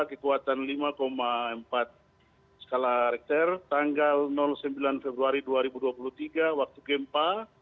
kekuatan lima empat skala richter tanggal sembilan februari dua ribu dua puluh tiga waktu gempa